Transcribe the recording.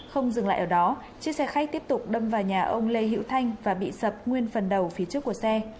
không dừng lại ở đó chiếc xe khách tiếp tục đâm vào nhà ông lê hữu thanh và bị sập nguyên phần đầu phía trước của xe